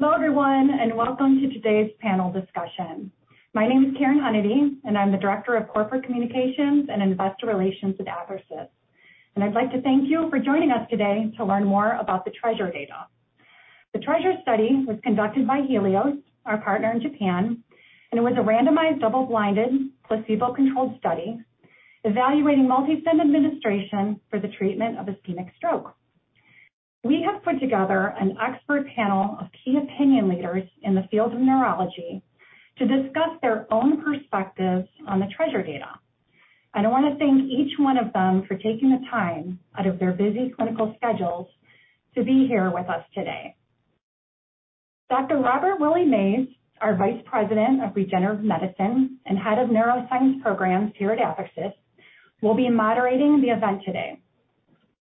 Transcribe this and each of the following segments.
Hello, everyone, and welcome to today's panel discussion. My name is Karen Hunady, and I'm the Director of Corporate Communications and Investor Relations at Athersys. I'd like to thank you for joining us today to learn more about the TREASURE data. The TREASURE study was conducted by Healios, our partner in Japan, and it was a randomized, double-blinded, placebo-controlled study evaluating MultiStem administration for the treatment of ischemic stroke. We have put together an expert panel of key opinion leaders in the field of neurology to discuss their own perspectives on the TREASURE data. I wanna thank each one of them for taking the time out of their busy clinical schedules to be here with us today. Dr. Robert Willie Mays, our Vice President of Regenerative Medicine and Head of Neuroscience Programs here at Athersys, will be moderating the event today.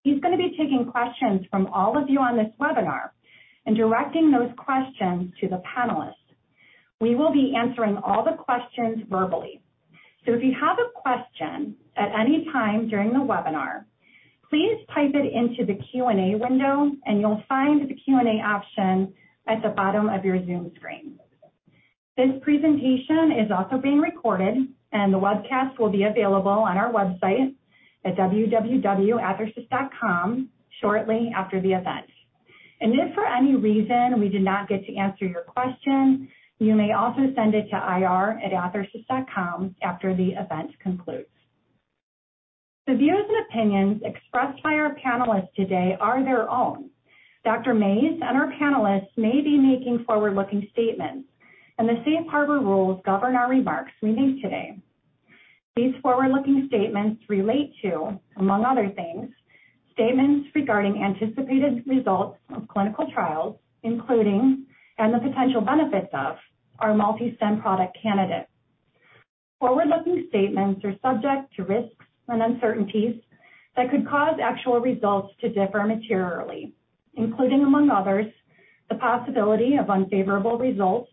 He's gonna be taking questions from all of you on this webinar and directing those questions to the panelists. We will be answering all the questions verbally. If you have a question at any time during the webinar, please type it into the Q&A window, and you'll find the Q&A option at the bottom of your Zoom screen. This presentation is also being recorded, and the webcast will be available on our website at www.Athersys.com shortly after the event. If for any reason we did not get to answer your question, you may also send it to ir@athersys.com after the event concludes. The views and opinions expressed by our panelists today are their own. Dr. Mays and our panelists may be making forward-looking statements, and the safe harbor rules govern our remarks we make today. These forward-looking statements relate to, among other things, statements regarding anticipated results of clinical trials, including, and the potential benefits of, our MultiStem product candidate. Forward-looking statements are subject to risks and uncertainties that could cause actual results to differ materially, including, among others, the possibility of unfavorable results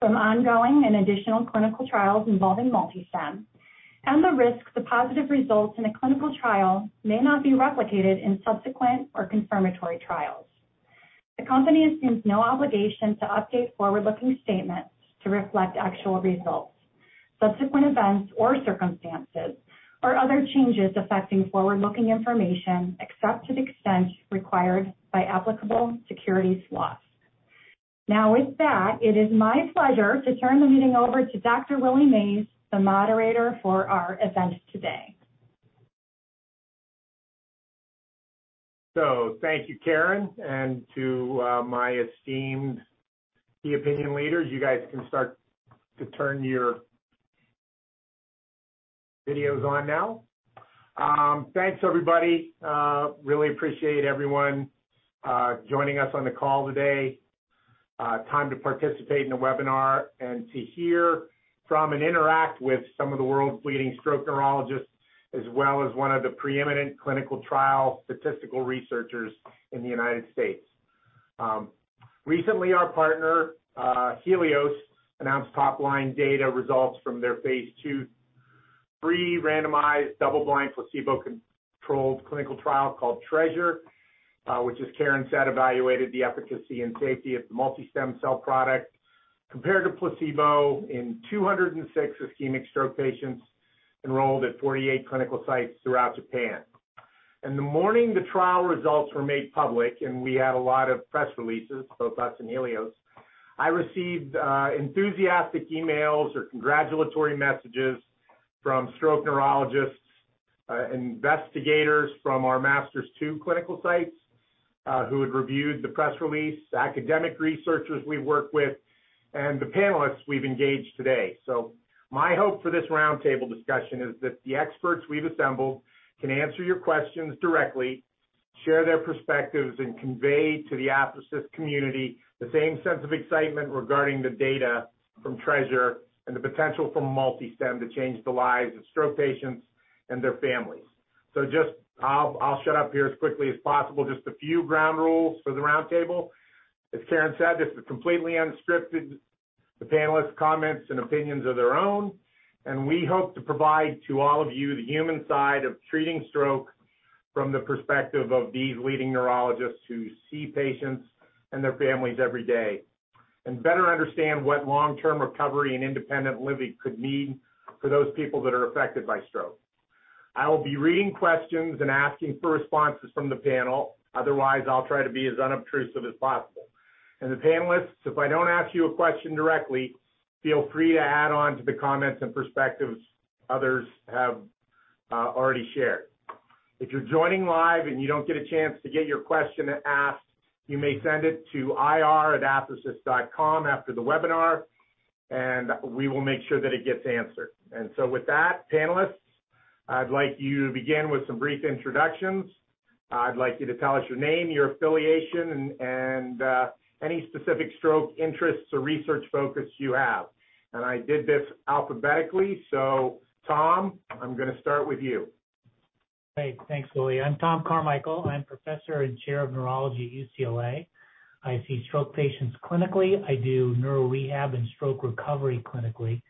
from ongoing and additional clinical trials involving MultiStem and the risk that positive results in a clinical trial may not be replicated in subsequent or confirmatory trials. The company assumes no obligation to update forward-looking statements to reflect actual results, subsequent events or circumstances, or other changes affecting forward-looking information except to the extent required by applicable securities laws. Now with that, it is my pleasure to turn the meeting over to Dr. Robert Willie Mays, the moderator for our event today. Thank you, Karen. To my esteemed key opinion leaders, you guys can start to turn your videos on now. Thanks, everybody. Really appreciate everyone joining us on the call today, time to participate in the webinar and to hear from and interact with some of the world's leading stroke neurologists, as well as one of the preeminent clinical trial statistical researchers in the United States. Recently, our partner, Healios, announced top-line data results from their phase II/III randomized, double-blind, placebo-controlled clinical trial called TREASURE, which, as Karen said, evaluated the efficacy and safety of the MultiStem cell product compared to placebo in 206 ischemic stroke patients enrolled at 48 clinical sites throughout Japan. In the morning, the trial results were made public, and we had a lot of press releases, both us and Healios. I received, enthusiastic emails or congratulatory messages from stroke neurologists, investigators from our MASTERS-2 clinical sites, who had reviewed the press release, academic researchers we work with, and the panelists we've engaged today. My hope for this round table discussion is that the experts we've assembled can answer your questions directly, share their perspectives, and convey to the Athersys community the same sense of excitement regarding the data from TREASURE and the potential for MultiStem to change the lives of stroke patients and their families. Just I'll shut up here as quickly as possible. Just a few ground rules for the round table. As Karen said, this is completely unscripted. The panelists' comments and opinions are their own. We hope to provide to all of you the human side of treating stroke from the perspective of these leading neurologists who see patients and their families every day and better understand what long-term recovery and independent living could mean for those people that are affected by stroke. I will be reading questions and asking for responses from the panel. Otherwise, I'll try to be as unobtrusive as possible. The panelists, if I don't ask you a question directly, feel free to add on to the comments and perspectives others have already shared. If you're joining live and you don't get a chance to get your question asked, you may send it to ir@athersys.com after the webinar, and we will make sure that it gets answered. With that, panelists, I'd like you to begin with some brief introductions. I'd like you to tell us your name, your affiliation, and any specific stroke interests or research focus you have. I did this alphabetically, so Tom, I'm gonna start with you. Great. Thanks, Willie. I'm Tom Carmichael. I'm Professor and Chair of Neurology at UCLA. I see stroke patients clinically. I do neuro rehab and stroke recovery clinically.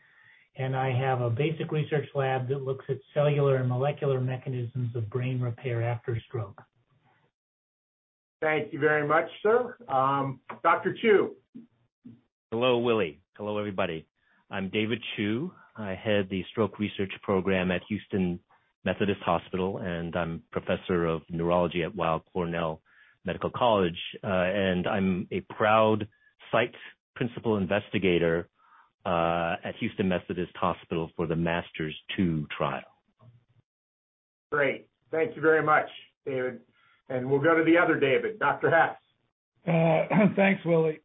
I have a basic research lab that looks at cellular and molecular mechanisms of brain repair after stroke. Thank you very much, sir. Dr. Chiu. Hello, Willie. Hello, everybody. I'm David Chiu. I head the Stroke Research Program at Houston Methodist Hospital, and I'm Professor of Neurology at Weill Cornell Medical College. I'm a proud site principal investigator at Houston Methodist Hospital for the MASTERS-2 trial. Great. Thank you very much, David. We'll go to the other David, Dr. Hess. Thanks, Willie.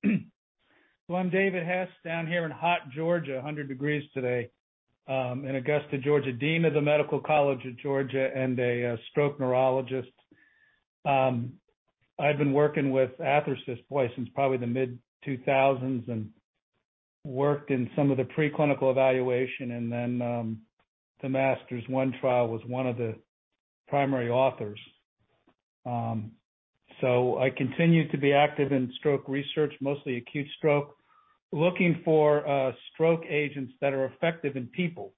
I'm David Hess down here in hot Georgia, 100 degrees today, in Augusta, Georgia, Dean of the Medical College of Georgia and a stroke neurologist. I've been working with Athersys, boy, since probably the mid-2000s and worked in some of the preclinical evaluation and then the MASTERS-1 trial, was one of the primary authors. I continue to be active in stroke research, mostly acute stroke, looking for stroke agents that are effective in people.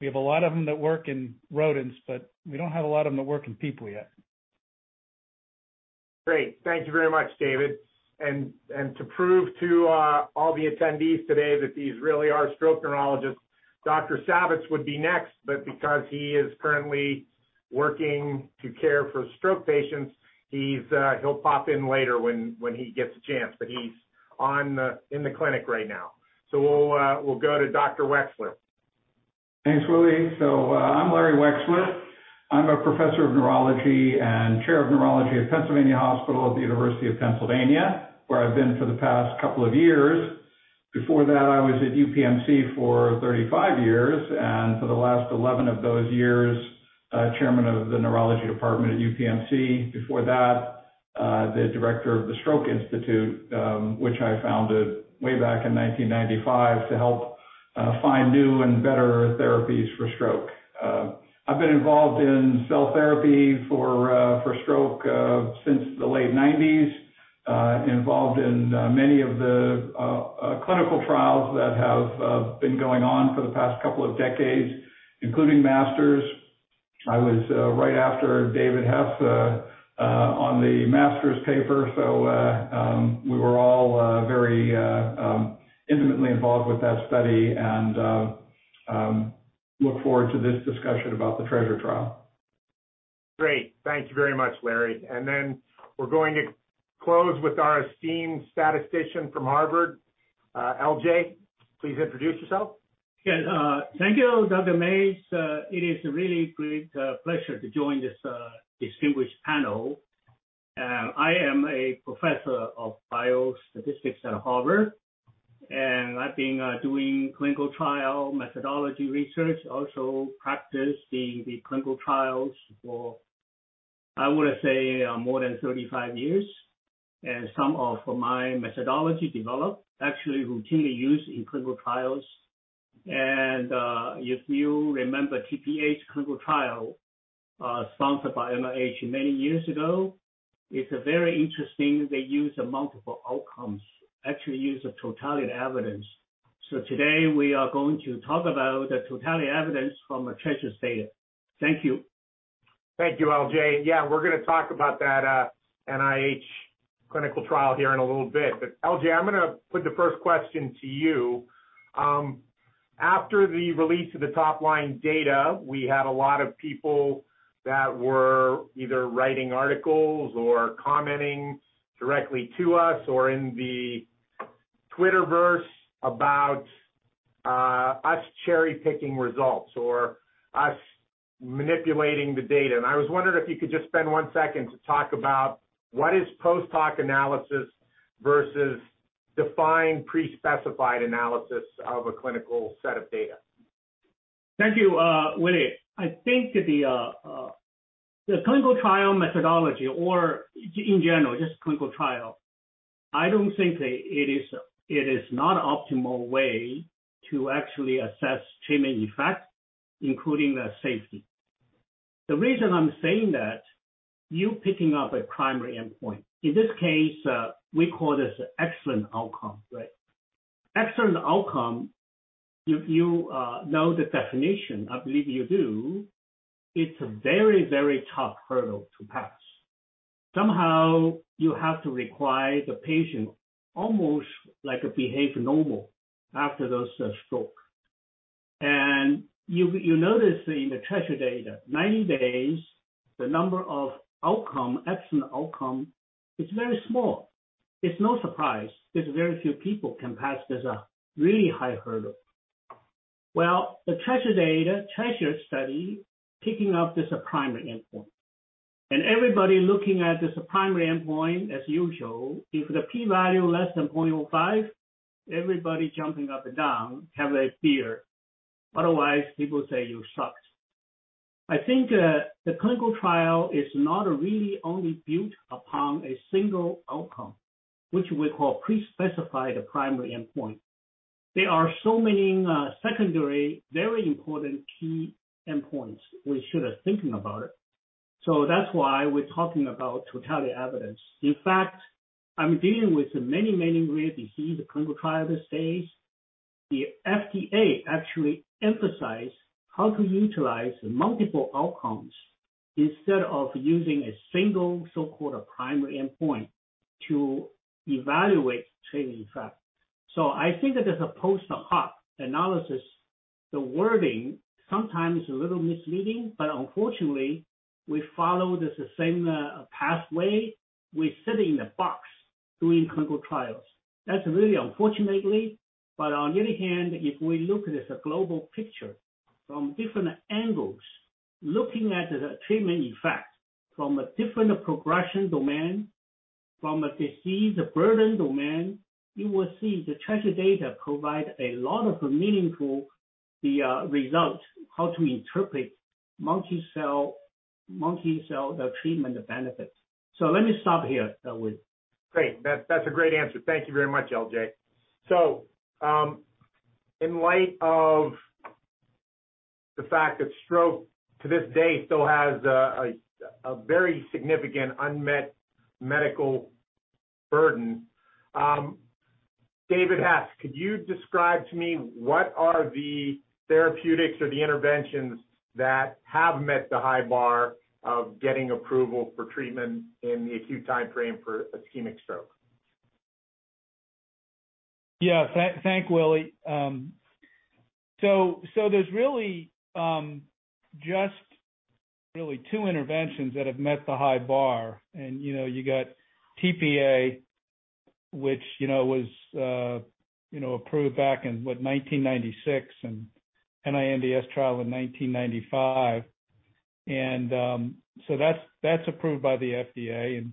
We have a lot of them that work in rodents, but we don't have a lot of them that work in people yet. Great. Thank you very much, David. To prove to all the attendees today that these really are stroke neurologists, Dr. Savitz would be next, but because he is currently working to care for stroke patients, he'll pop in later when he gets a chance. He's in the clinic right now. We'll go to Dr. Wechsler. Thanks, Willie. I'm Larry Wechsler. I'm a Professor of Neurology and Chair of Neurology at Pennsylvania Hospital at the University of Pennsylvania, where I've been for the past couple of years. Before that, I was at UPMC for 35 years, and for the last 11 of those years, chairman of the neurology department at UPMC. Before that, the director of the Stroke Institute, which I founded way back in 1995 to help find new and better therapies for stroke. I've been involved in cell therapy for stroke since the late 1990s. Involved in many of the clinical trials that have been going on for the past couple of decades, including MASTERS. I was right after David Hess on the Masters paper. We were all very intimately involved with that study and look forward to this discussion about the TREASURE trial. Great. Thank you very much, Larry. We're going to close with our esteemed statistician from Harvard. LJ, please introduce yourself. Yes. Thank you, Dr. Mays. It is a really great pleasure to join this distinguished panel. I am a professor of biostatistics at Harvard, and I've been doing clinical trial methodology research, also practice doing the clinical trials for, I want to say, more than 35 years. Some of my methodology developments actually routinely used in clinical trials. If you remember tPA's clinical trial, sponsored by NIH many years ago, it's very interesting. They use multiple outcomes, actually use a totality of evidence. Today we are going to talk about the totality of evidence from a TREASURE study. Thank you. Thank you, LJ. Yeah, we're gonna talk about that, NIH clinical trial here in a little bit. But LJ, I'm gonna put the first question to you. After the release of the top line data, we had a lot of people that were either writing articles or commenting directly to us or in the Twitterverse about us cherry-picking results or us manipulating the data. I was wondering if you could just spend one second to talk about what is post-hoc analysis versus defined pre-specified analysis of a clinical set of data. Thank you, Willie. I think the clinical trial methodology, or in general, just clinical trial, I don't think it is not optimal way to actually assess treatment effect, including the safety. The reason I'm saying that, you picking up a primary endpoint. In this case, we call this excellent outcome, right? Excellent outcome, you know the definition. I believe you do. It's a very, very tough hurdle to pass. Somehow you have to require the patient almost like behave normal after the stroke. You notice in the TREASURE data, 90 days, the number of outcome, excellent outcome is very small. It's no surprise, because very few people can pass this really high hurdle. Well, the TREASURE data, TREASURE study, picking up this primary endpoint. Everybody looking at this primary endpoint as usual. If the P value less than 0.05, everybody jumping up and down, have a beer. Otherwise, people say you sucked. I think the clinical trial is not really only built upon a single outcome, which we call pre-specified primary endpoint. There are so many secondary, very important key endpoints we should have thinking about it. That's why we're talking about totality of evidence. In fact, I'm dealing with many, many rare disease clinical trials these days. The FDA actually emphasized how to utilize multiple outcomes instead of using a single so-called primary endpoint to evaluate treatment effect. I think that as opposed to post-hoc analysis, the wording sometimes is a little misleading, but unfortunately, we follow the same pathway. We sit in a box doing clinical trials. That's really unfortunate, but on the other hand, if we look at this global picture from different angles, looking at the treatment effect from a different progression domain, from a disease burden domain, you will see the TREASURE data provide a lot of meaningful how to interpret MultiStem, the treatment benefits. Let me stop here, Willie. Great. That's a great answer. Thank you very much, LJ. In light of the fact that stroke to this day still has a very significant unmet medical burden, David Hess, could you describe to me what are the therapeutics or the interventions that have met the high bar of getting approval for treatment in the acute timeframe for ischemic stroke? Thanks, Willie. There's really just really two interventions that have met the high bar. You know, you got tPA, which you know was you know approved back in, what, 1996 and NINDS trial in 1995. That's approved by the FDA.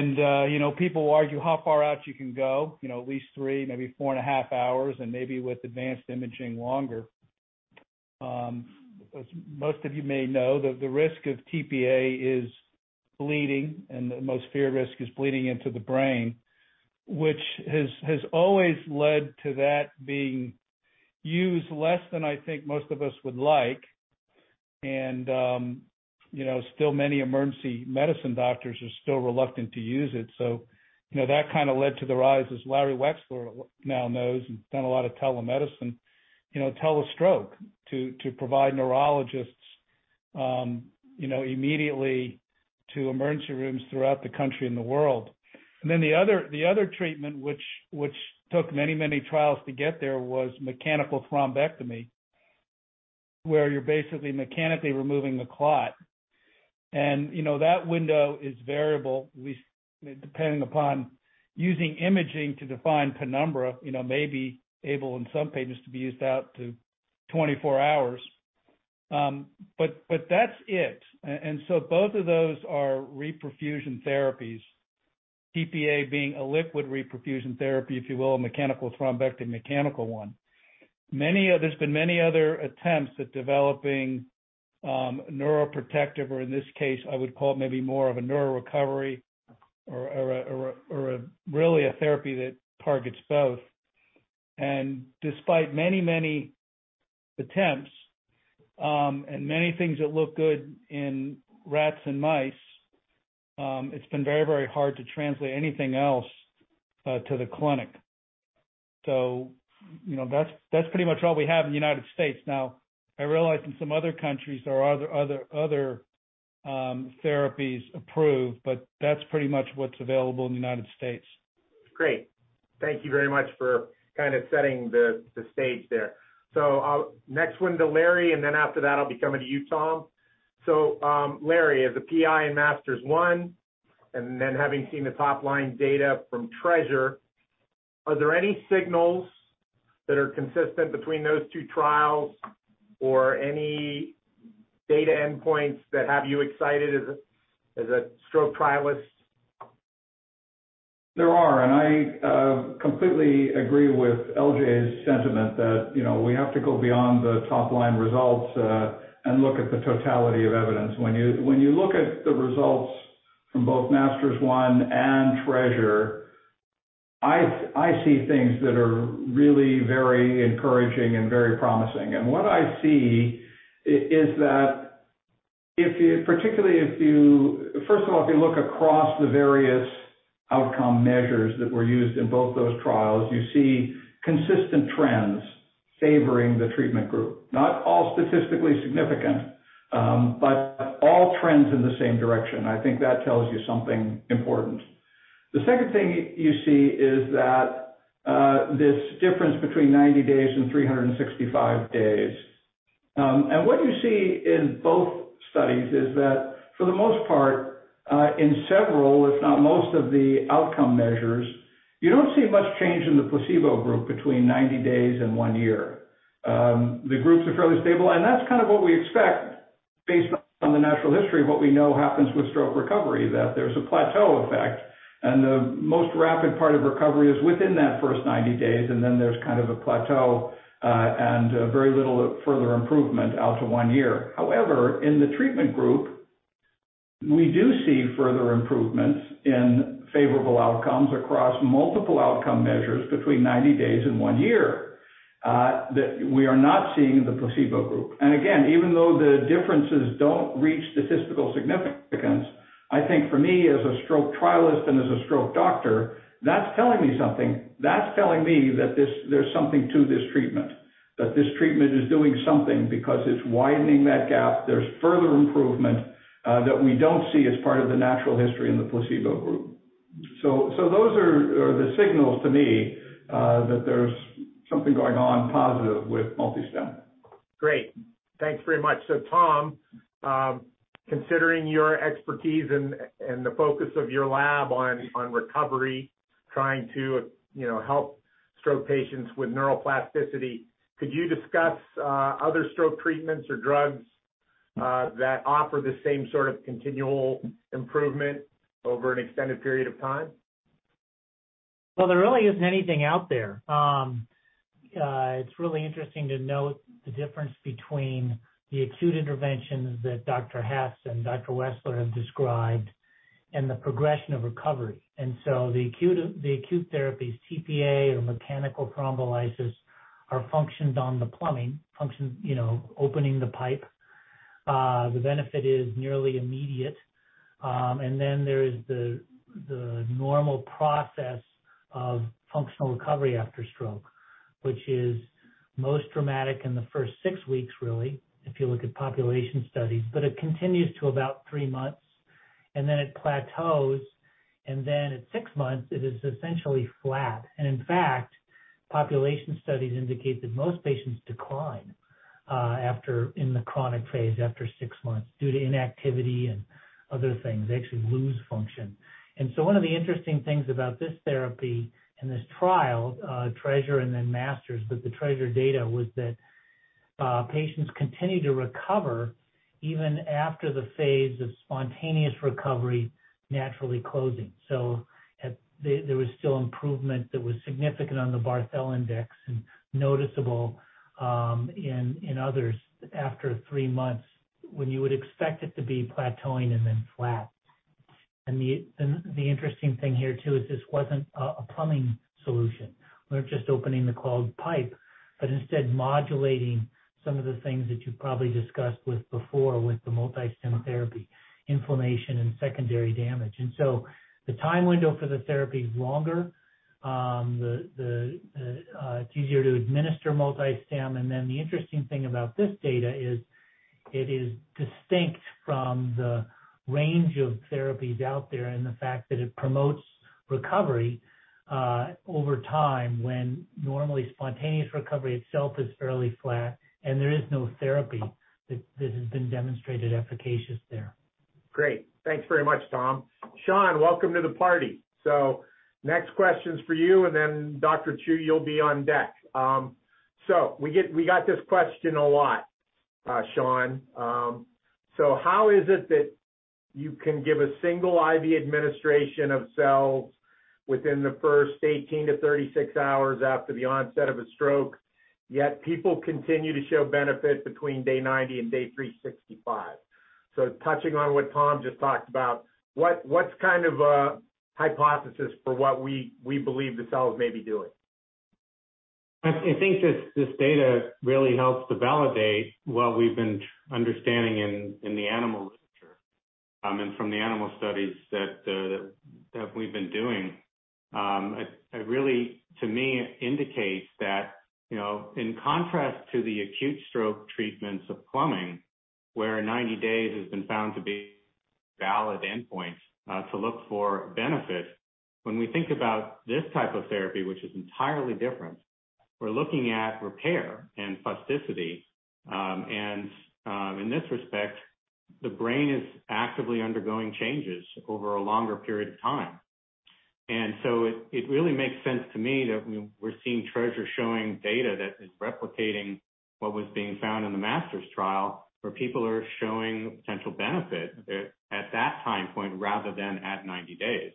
You know, people will argue how far out you can go, you know, at least three, maybe 4.5 hours, and maybe with advanced imaging, longer. As most of you may know, the risk of tPA is bleeding, and the most feared risk is bleeding into the brain, which has always led to that being used less than I think most of us would like. You know, still many emergency medicine doctors are still reluctant to use it. You know, that kinda led to the rise, as Larry Wechsler now knows, he's done a lot of telemedicine, you know, telestroke to provide neurologists, you know, immediately to emergency rooms throughout the country and the world. The other treatment which took many trials to get there was mechanical thrombectomy, where you're basically mechanically removing the clot. You know, that window is variable, at least depending upon using imaging to define penumbra, you know, may be able in some patients to be used out to 24 hours. But that's it. Both of those are reperfusion therapies, tPA being a liquid reperfusion therapy, if you will, a mechanical thrombectomy, mechanical one. Many other, there's been many other attempts at developing neuroprotective, or in this case, I would call it maybe more of a neuro recovery or a really therapy that targets both. Despite many attempts, and many things that look good in rats and mice, it's been very hard to translate anything else to the clinic. You know, that's pretty much all we have in the United States. Now, I realize in some other countries, there are other therapies approved, but that's pretty much what's available in the United States. Great. Thank you very much for kind of setting the stage there. The next one to Larry, and then after that, I'll be coming to you, Tom. Larry, as a PI in MASTERS-1, and then having seen the top-line data from TREASURE, are there any signals that are consistent between those two trials or any data endpoints that have you excited as a stroke trialist? There are. I completely agree with LJ's sentiment that, you know, we have to go beyond the top-line results and look at the totality of evidence. When you look at the results from both MASTERS-1 and TREASURE, I see things that are really very encouraging and very promising. What I see is that particularly, first of all, if you look across the various outcome measures that were used in both those trials, you see consistent trends favoring the treatment group. Not all statistically significant, but all trends in the same direction. I think that tells you something important. The second thing you see is that this difference between 90 days and 365 days. What you see in both studies is that for the most part, in several, if not most of the outcome measures, you don't see much change in the placebo group between 90 days and one year. The groups are fairly stable, and that's kind of what we expect based on the natural history of what we know happens with stroke recovery, that there's a plateau effect, and the most rapid part of recovery is within that first 90 days, and then there's kind of a plateau, and very little further improvement out to one year. However, in the treatment group, we do see further improvements in favorable outcomes across multiple outcome measures between 90 days and one year that we are not seeing the placebo group. Again, even though the differences don't reach statistical significance, I think for me as a stroke trialist and as a stroke doctor, that's telling me something. That's telling me that there's something to this treatment, that this treatment is doing something because it's widening that gap. There's further improvement that we don't see as part of the natural history in the placebo group. So those are the signals to me that there's something going on positive with MultiStem. Great. Thanks very much. Tom, considering your expertise and the focus of your lab on recovery, trying to, you know, help stroke patients with neuroplasticity, could you discuss other stroke treatments or drugs that offer the same sort of continual improvement over an extended period of time? Well, there really isn't anything out there. It's really interesting to note the difference between the acute interventions that Dr. Hess and Dr. Wechsler have described and the progression of recovery. The acute therapies, tPA or mechanical thrombectomy, function on the plumbing, you know, opening the pipe. The benefit is nearly immediate. Then there is the normal process of functional recovery after stroke, which is most dramatic in the first six weeks really, if you look at population studies. It continues to about three months, and then it plateaus, and then at six months it is essentially flat. In fact, population studies indicate that most patients decline after in the chronic phase after six months due to inactivity and other things. They actually lose function. One of the interesting things about this therapy and this trial, TREASURE and then MASTERS, but the TREASURE data was that, patients continued to recover even after the phase of spontaneous recovery naturally closing. There was still improvement that was significant on the Barthel Index and noticeable in others after three months, when you would expect it to be plateauing and then flat. The interesting thing here too is this wasn't a plumbing solution. We're just opening the clogged pipe, but instead modulating some of the things that you've probably discussed with before with the MultiStem therapy, inflammation and secondary damage. The time window for the therapy is longer. It's easier to administer MultiStem. The interesting thing about this data is it is distinct from the range of therapies out there and the fact that it promotes recovery over time, when normally spontaneous recovery itself is fairly flat and there is no therapy that has been demonstrated efficacious there. Great. Thanks very much, Tom. Sean, welcome to the party. Next question's for you, and then Dr. Chiu, you'll be on deck. We got this question a lot, Sean. How is it that you can give a single IV administration of cells within the first 18-36 hours after the onset of a stroke, yet people continue to show benefit between day 90 and day 365? Touching on what Tom just talked about, what's kind of a hypothesis for what we believe the cells may be doing? I think this data really helps to validate what we've been understanding in the animal literature. From the animal studies that we've been doing, it really to me indicates that, you know, in contrast to the acute stroke treatments of plumbing, where 90 days has been found to be valid endpoint to look for benefit, when we think about this type of therapy, which is entirely different, we're looking at repair and plasticity. In this respect, the brain is actively undergoing changes over a longer period of time. It really makes sense to me that we're seeing TREASURE showing data that is replicating what was being found in the MASTERS trial, where people are showing potential benefit at that time point rather than at 90 days.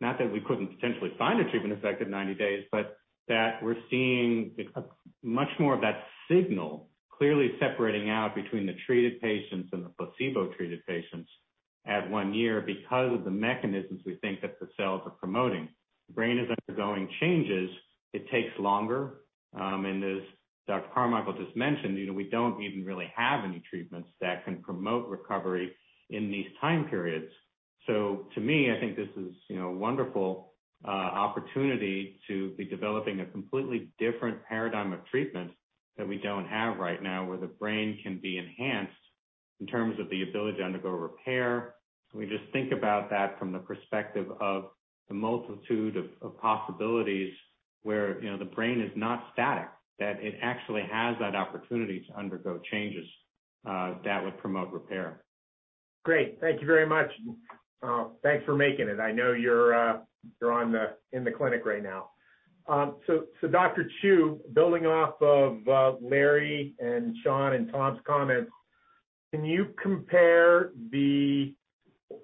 Not that we couldn't potentially find a treatment effect at 90 days, but that we're seeing a much more of that signal clearly separating out between the treated patients and the placebo-treated patients at one year because of the mechanisms we think that the cells are promoting. The brain is undergoing changes. It takes longer. As Dr. Carmichael just mentioned, you know, we don't even really have any treatments that can promote recovery in these time periods. To me, I think this is, you know, a wonderful opportunity to be developing a completely different paradigm of treatment that we don't have right now, where the brain can be enhanced in terms of the ability to undergo repair. We just think about that from the perspective of the multitude of possibilities where, you know, the brain is not static, that it actually has that opportunity to undergo changes that would promote repair. Great. Thank you very much. Thanks for making it. I know you're in the clinic right now. So Dr. Chiu, building off of Larry and Sean and Tom's comments, can you compare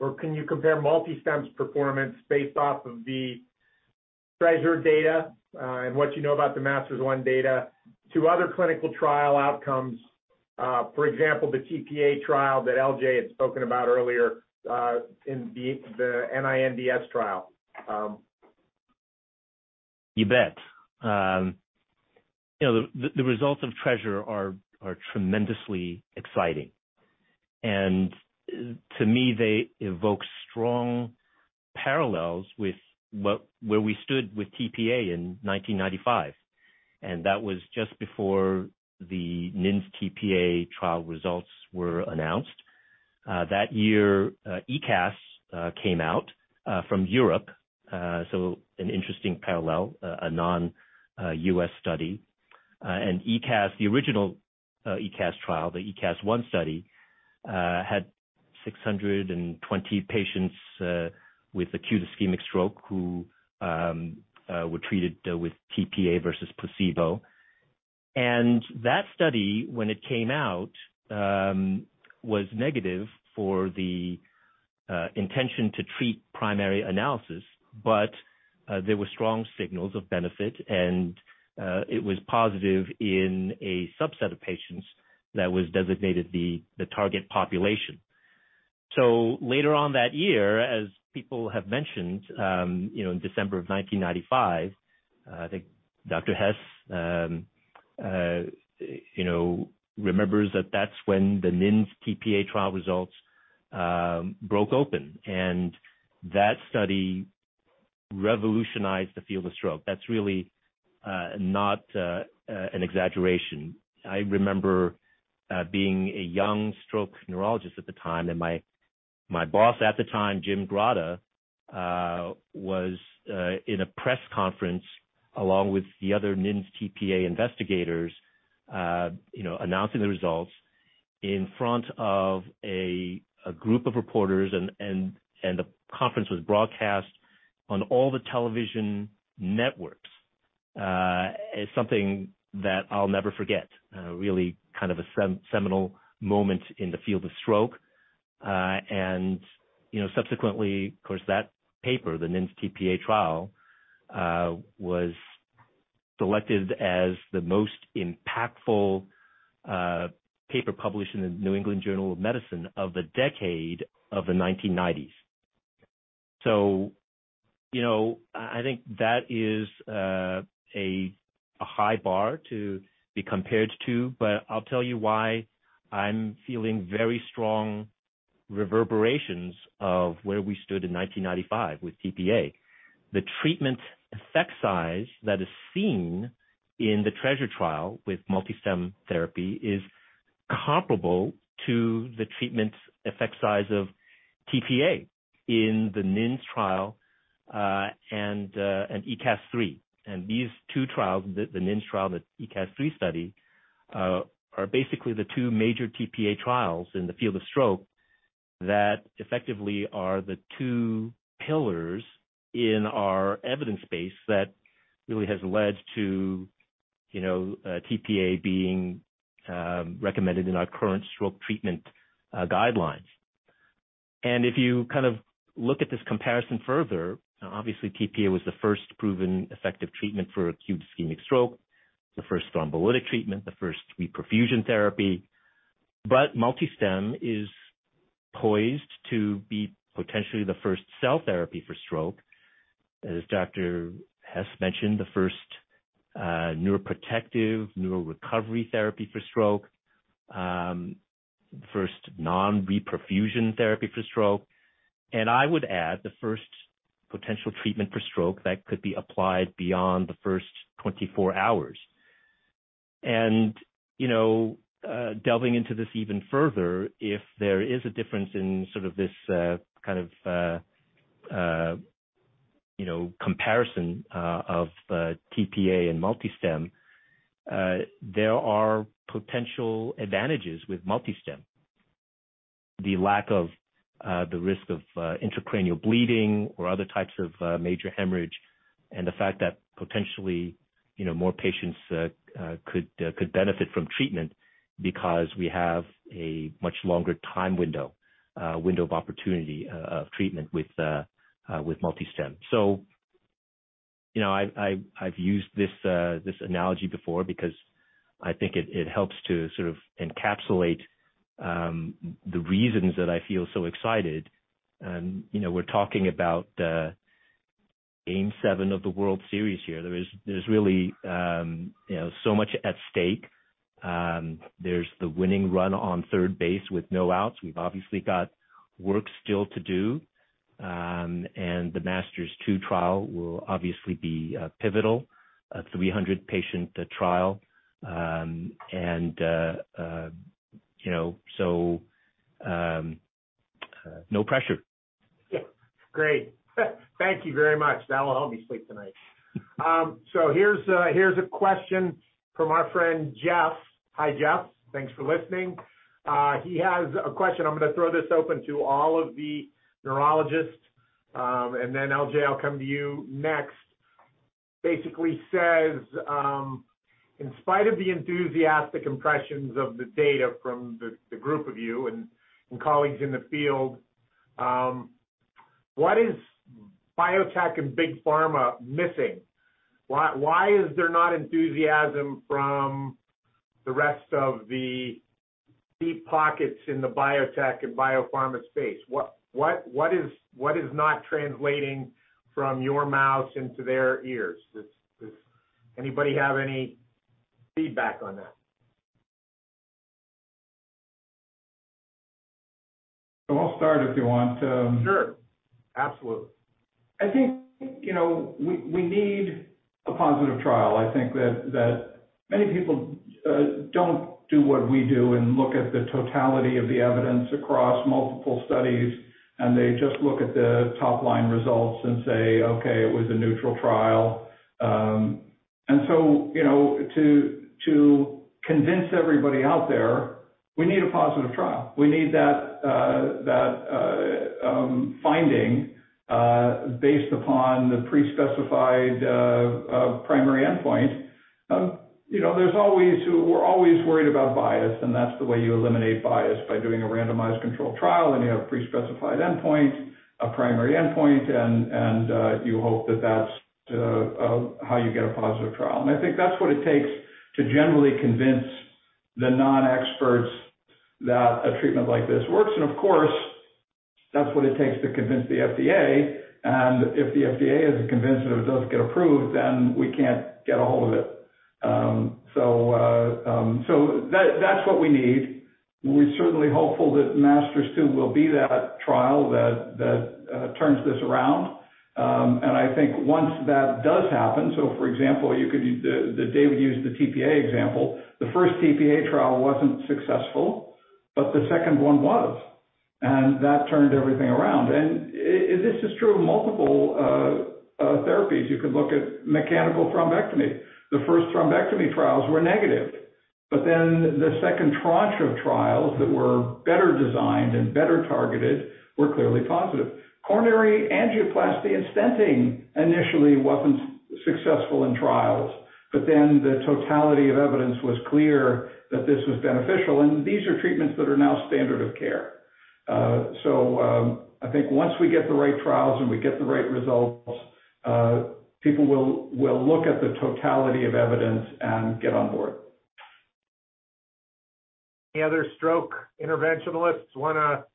MultiStem's performance based off of the TREASURE data, and what you know about the MASTERS-1 data to other clinical trial outcomes, for example, the tPA trial that LJ had spoken about earlier, in the NINDS trial. You bet. You know, the results of TREASURE are tremendously exciting. To me, they evoke strong parallels with where we stood with tPA in 1995, and that was just before the NINDS tPA trial results were announced. That year, ECASS came out from Europe. So an interesting parallel, a non-US study. ECASS, the original ECASS trial, the ECASS I study, had 620 patients with acute ischemic stroke who were treated with tPA versus placebo. That study, when it came out, was negative for the intention to treat primary analysis, but there were strong signals of benefit, and it was positive in a subset of patients that was designated the target population. Later on that year, as people have mentioned, you know, in December of 1995, I think Dr. Hess, you know, remembers that that's when the NINDS tPA trial results broke open. That study revolutionized the field of stroke. That's really not an exaggeration. I remember being a young stroke neurologist at the time, and my boss at the time, Jim Grotta, was in a press conference along with the other NINDS tPA investigators, you know, announcing the results in front of a group of reporters and the conference was broadcast on all the television networks. It's something that I'll never forget, really kind of a seminal moment in the field of stroke. You know, subsequently, of course, that paper, the NINDS tPA trial, was selected as the most impactful paper published in the New England Journal of Medicine of the decade of the 1990s. You know, I think that is a high bar to be compared to, but I'll tell you why I'm feeling very strong reverberations of where we stood in 1995 with tPA. The treatment effect size that is seen in the TREASURE trial with MultiStem therapy is comparable to the treatment effect size of tPA in the NINDS trial, and ECASS III. These two trials, the NINDS trial, the ECASS III study, are basically the two major tPA trials in the field of stroke that effectively are the two pillars in our evidence base that really has led to, you know, tPA being recommended in our current stroke treatment guidelines. If you kind of look at this comparison further, obviously tPA was the first proven effective treatment for acute ischemic stroke, the first thrombolytic treatment, the first reperfusion therapy. MultiStem is poised to be potentially the first cell therapy for stroke. As Dr. Hess mentioned, the first neuroprotective neural recovery therapy for stroke, first non-reperfusion therapy for stroke. I would add the first potential treatment for stroke that could be applied beyond the first 24 hours. You know, delving into this even further, if there is a difference in sort of this kind of, you know, comparison of tPA and MultiStem, there are potential advantages with MultiStem. The lack of the risk of intracranial bleeding or other types of major hemorrhage, and the fact that potentially, you know, more patients could benefit from treatment because we have a much longer window of opportunity of treatment with MultiStem. You know, I've used this analogy before because I think it helps to sort of encapsulate the reasons that I feel so excited. You know, we're talking about game seven of the World Series here. There's really, you know, so much at stake. There's the winning run on third base with no outs. We've obviously got work still to do. The MASTERS-2 trial will obviously be pivotal, a 300-patient trial. You know, no pressure. Yeah. Great. Thank you very much. That will help me sleep tonight. Here's a question from our friend, Jeff. Hi, Jeff. Thanks for listening. He has a question. I'm gonna throw this open to all of the neurologists, and then LJ, I'll come to you next. Basically says, in spite of the enthusiastic impressions of the data from the group of you and colleagues in the field. What is biotech and big pharma missing? Why is there not enthusiasm from the rest of the deep pockets in the biotech and biopharma space? What is not translating from your mouth into their ears? Does anybody have any feedback on that? I'll start if you want to. Sure. Absolutely. I think, you know, we need a positive trial. I think that many people don't do what we do and look at the totality of the evidence across multiple studies, and they just look at the top line results and say, "Okay, it was a neutral trial." You know, to convince everybody out there, we need a positive trial. We need that finding based upon the pre-specified primary endpoint. You know, there's always. We're always worried about bias, and that's the way you eliminate bias, by doing a randomized controlled trial, and you have a pre-specified endpoint, a primary endpoint, and you hope that that's how you get a positive trial. I think that's what it takes to generally convince the non-experts that a treatment like this works. Of course, that's what it takes to convince the FDA. If the FDA isn't convinced and it doesn't get approved, then we can't get a hold of it. So that that's what we need. We're certainly hopeful that MASTERS-2 will be that trial that turns this around. I think once that does happen. For example, David used the tPA example. The first tPA trial wasn't successful, but the second one was, and that turned everything around. This is true of multiple therapies. You could look at mechanical thrombectomy. The first thrombectomy trials were negative. Then the second tranche of trials that were better designed and better targeted were clearly positive. Coronary angioplasty and stenting initially wasn't successful in trials. The totality of evidence was clear that this was beneficial. These are treatments that are now standard of care. I think once we get the right trials and we get the right results, people will look at the totality of evidence and get on board. Any other stroke interventionalists wanna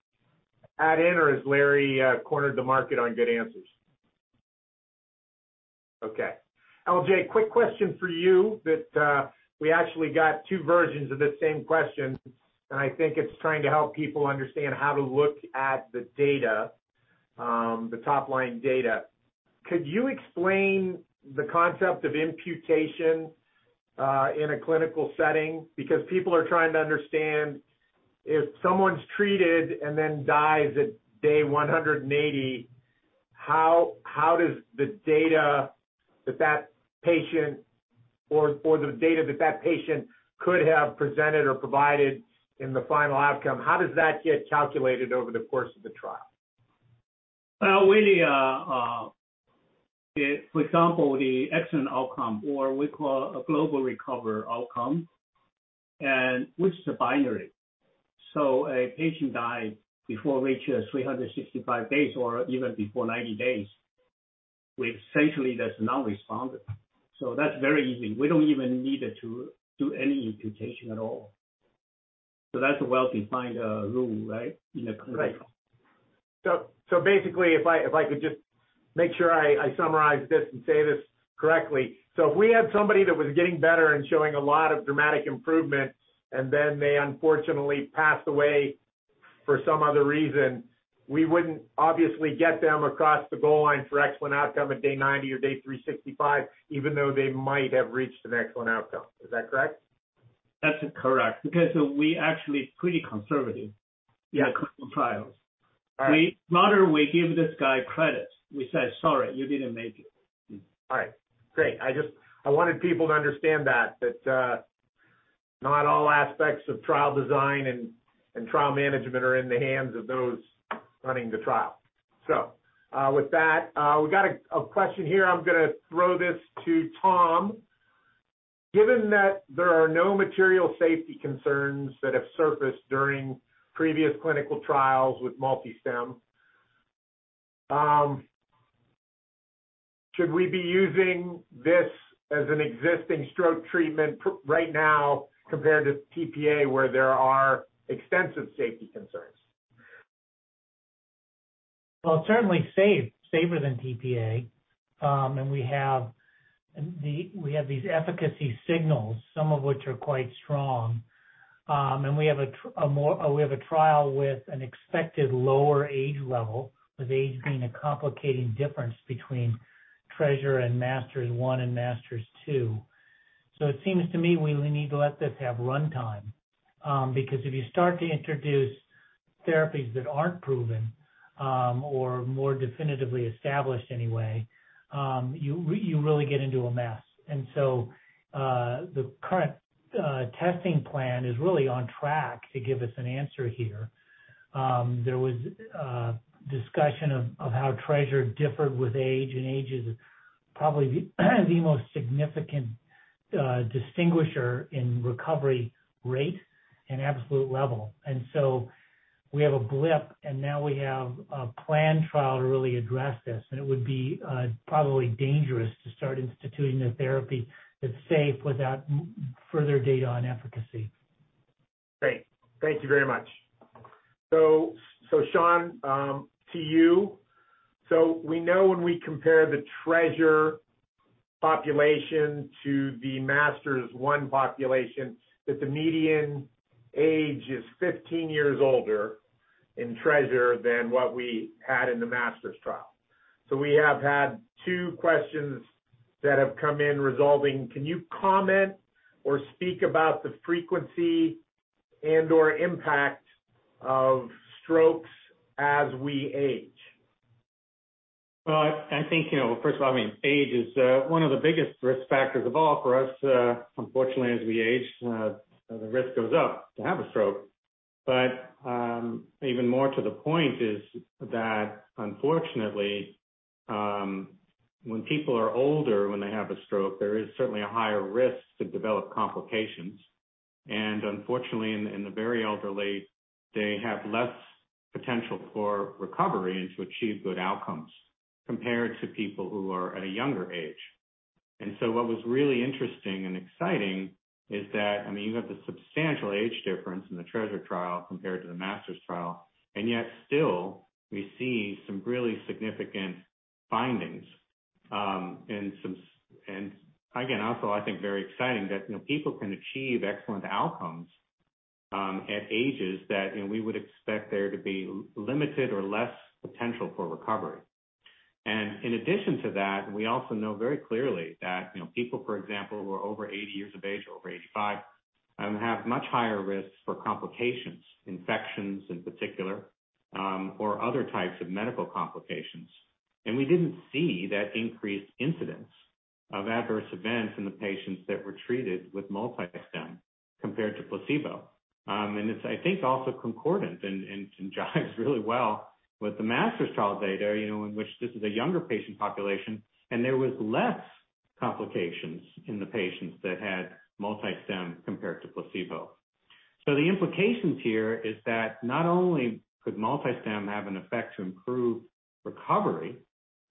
add in, or has Larry cornered the market on good answers? Okay. LJ, quick question for you that we actually got two versions of the same question, and I think it's trying to help people understand how to look at the data, the top-line data. Could you explain the concept of imputation in a clinical setting? Because people are trying to understand if someone's treated and then dies at day 180, how does the data that patient could have presented or provided in the final outcome get calculated over the course of the trial? Willie, if for example the excellent outcome or we call a global recovery outcome and which is a binary. A patient dies before reaching 365 days or even before 90 days, we essentially, that's non-responder. That's very easy. We don't even need it to do any imputation at all. That's a well-defined rule, right? In a clinical. Right. So basically, if I could just make sure I summarize this and say this correctly. If we had somebody that was getting better and showing a lot of dramatic improvement, and then they unfortunately passed away for some other reason, we wouldn't obviously get them across the goal line for excellent outcome at day 90 or day 365, even though they might have reached an excellent outcome. Is that correct? That's correct because we actually pretty conservative. Yeah. In the clinical trials. All right. Rather we give this guy credit. We say, "Sorry, you didn't make it." All right. Great. I wanted people to understand that not all aspects of trial design and trial management are in the hands of those running the trial. With that, we got a question here. I'm gonna throw this to Tom. Given that there are no material safety concerns that have surfaced during previous clinical trials with MultiStem, should we be using this as an existing stroke treatment right now compared to tPA, where there are extensive safety concerns? Well, it's certainly safe, safer than tPA. We have these efficacy signals, some of which are quite strong. We have a trial with an expected lower age level, with age being a complicating difference between TREASURE and MASTERS-1 and MASTERS-2. It seems to me we really need to let this have runtime, because if you start to introduce therapies that aren't proven, or more definitively established anyway, you really get into a mess. The current testing plan is really on track to give us an answer here. There was discussion of how TREASURE differed with age, and age is probably the most significant distinguisher in recovery rate and absolute level and so we have a blip, and now we have a planned trial to really address this. It would be probably dangerous to start instituting a therapy that's safe without further data on efficacy. Great. Thank you very much. Sean, to you. We know when we compare the TREASURE population to the MASTERS-1 population that the median age is 15 years older in TREASURE than what we had in the MASTERS trial. We have had two questions that have come in regarding. Can you comment or speak about the frequency and/or impact of strokes as we age? Well, I think, you know, first of all, I mean, age is one of the biggest risk factors of all for us. Unfortunately, as we age, the risk goes up to have a stroke. Even more to the point is that unfortunately, when people are older, when they have a stroke, there is certainly a higher risk to develop complications. Unfortunately, in the very elderly, they have less potential for recovery and to achieve good outcomes compared to people who are at a younger age. What was really interesting and exciting is that, I mean, you have the substantial age difference in the TREASURE trial compared to the MASTERS trial, and yet still we see some really significant findings. I think very exciting that, you know, people can achieve excellent outcomes at ages that, you know, we would expect there to be limited or less potential for recovery. In addition to that, we also know very clearly that, you know, people, for example, who are over 80 years of age or over 85, have much higher risks for complications, infections in particular, or other types of medical complications. We didn't see that increased incidence of adverse events in the patients that were treated with MultiStem compared to placebo. It's, I think, also concordant and jives really well with the MASTERS trial data, you know, in which this is a younger patient population, and there was less complications in the patients that had MultiStem compared to placebo. The implications here is that not only could MultiStem have an effect to improve recovery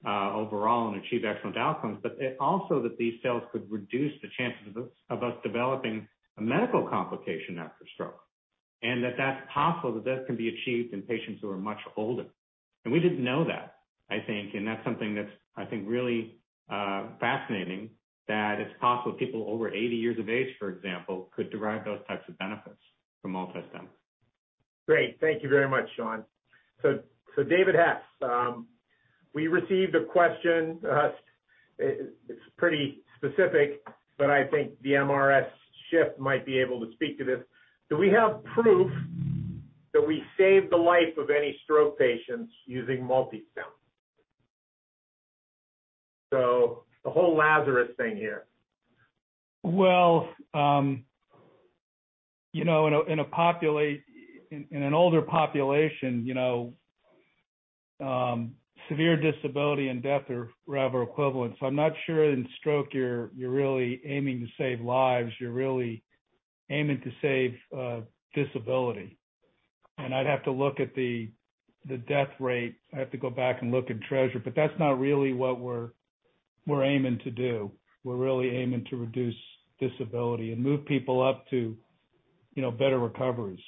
overall and achieve excellent outcomes, but it also that these cells could reduce the chances of us developing a medical complication after stroke. That's possible that this can be achieved in patients who are much older. We didn't know that, I think, and that's something that's, I think, really fascinating, that it's possible people over 80 years of age, for example, could derive those types of benefits from MultiStem. Great. Thank you very much, Sean. David Hess, we received a question. It's pretty specific, but I think the mRS shift might be able to speak to this. Do we have proof that we saved the life of any stroke patients using MultiStem? The whole Lazarus thing here. Well, you know, in an older population, you know, severe disability and death are rather equivalent. I'm not sure in stroke you're really aiming to save lives, you're really aiming to save disability. I'd have to look at the death rate. I have to go back and look in TREASURE, but that's not really what we're aiming to do. We're really aiming to reduce disability and move people up to, you know, better recoveries.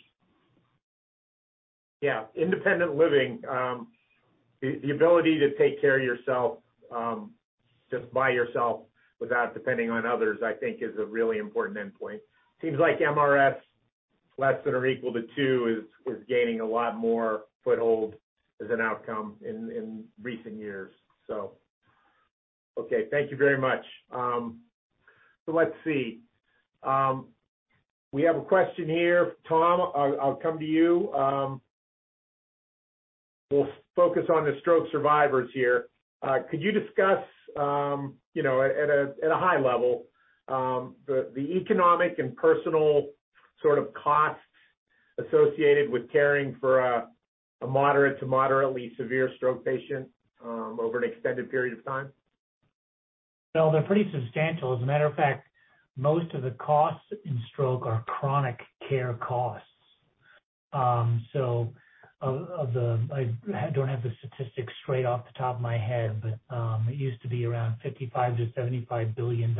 Yeah. Independent living. The ability to take care of yourself, just by yourself without depending on others, I think is a really important endpoint. Seems like mRS less than or equal to two is gaining a lot more foothold as an outcome in recent years. Okay. Thank you very much. Let's see. We have a question here. Tom, I'll come to you. We'll focus on the stroke survivors here. Could you discuss, you know, at a high level, the economic and personal sort of costs associated with caring for a moderate to moderately severe stroke patient, over an extended period of time? Well, they're pretty substantial. As a matter of fact, most of the costs in stroke are chronic care costs. I don't have the statistics straight off the top of my head, but it used to be around $55 billion-$75 billion,